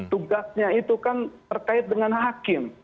tugasnya itu kan terkait dengan hakim